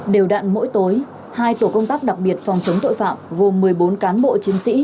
đều đạn mỗi tối hai tổ công tác đặc biệt phòng chống tội phạm gồm một mươi bốn cán bộ chiến sĩ